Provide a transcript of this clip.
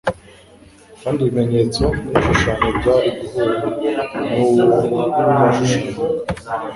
kandi ibimenyetso n'ibishushanyo byari guhura n'uwo byashushanyaga.